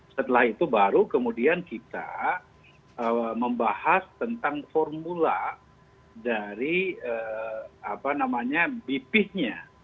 setelah itu baru kemudian kita membahas tentang formula dari bp nya